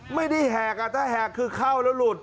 ไม่ได้แหกอ่ะถ้าแหกคือเข้าแล้วหลุด